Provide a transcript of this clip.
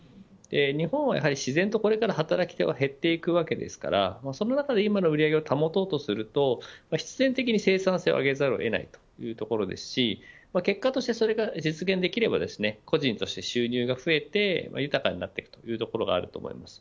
日本は自然と働き手は減っていくわけですからその中で今の売り上げを保とうとすると必然的に生産性を上げざるを得ないというところですし結果として、それが実現できれば個人として収入が増えて豊かになっていくというところがあると思います。